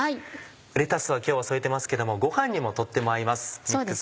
レタスを今日は添えてますけどもご飯にもとっても合います。